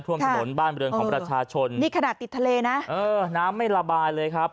ท่วมถนนบ้านบริเวณของประชาชนนี่ขนาดติดทะเลนะเออน้ำไม่ระบายเลยครับ